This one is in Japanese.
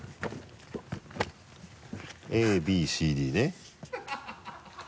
ＡＢＣＤね。